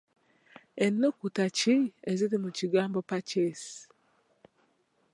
Ennukuta ki eziri mu kigambo Purchase?